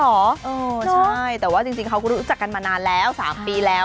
ใช่แต่ว่าจริงเขาก็รู้จักกันมานานแล้ว๓ปีแล้ว